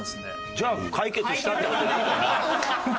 じゃあ解決したって事でいいかな？